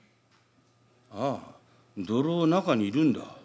ああ泥棒中にいるんだ。